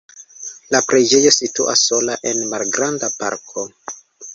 La preĝejo situas sola en malgranda parko.